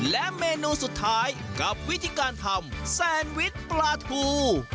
และเมนูสุดท้ายกับวิธีการทำแซนวิชปลาทู